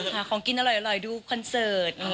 หาของกินอร่อยดูคอนเสิร์ต